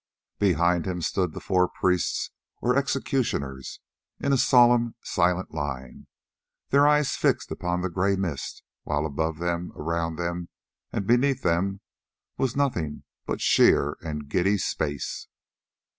Behind him stood the four priests or executioners in a solemn, silent line, their eyes fixed upon the grey mist, while above them, around them, and beneath them was nothing but sheer and giddy space.